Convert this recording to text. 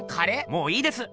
もういいです！